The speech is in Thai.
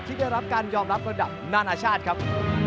ที่ได้รับการยอมรับระดับนานาชาติครับ